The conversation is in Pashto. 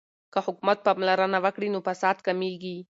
که حکومت پاملرنه وکړي نو فساد کمیږي.